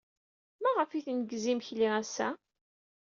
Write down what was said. Maɣef ay tneggez imekli ass-a?